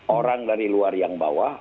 orang dari luar yang bawah